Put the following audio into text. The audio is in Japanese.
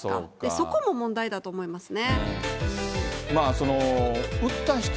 そこも問題だと思いますね。